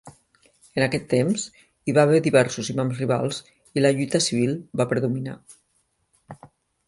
En aquest temps hi va haver diversos imams rivals i la lluita civil va predominar.